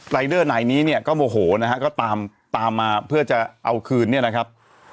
รายเดอร์นายนี้เนี่ยก็โมโหนะฮะก็ตามตามมาเพื่อจะเอาคืนเนี่ยนะครับ